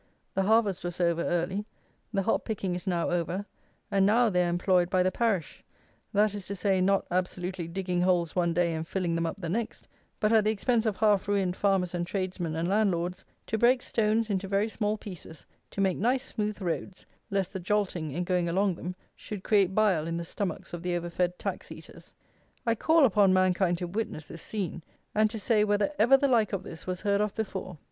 The harvest was over early. The hop picking is now over; and now they are employed by the Parish; that is to say, not absolutely digging holes one day and filling them up the next; but at the expense of half ruined farmers and tradesmen and landlords, to break stones into very small pieces to make nice smooth roads lest the jolting, in going along them, should create bile in the stomachs of the overfed tax eaters. I call upon mankind to witness this scene; and to say, whether ever the like of this was heard of before.